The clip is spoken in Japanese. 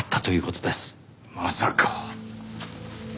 まさか。